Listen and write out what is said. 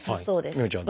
美帆ちゃん。